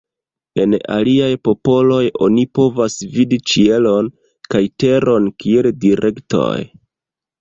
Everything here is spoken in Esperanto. En aliaj popoloj oni povas vidi ĉielon kaj teron kiel direktoj.